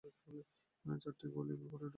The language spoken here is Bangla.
চারটি গলির পরে ডুবে চক।